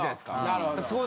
なるほど。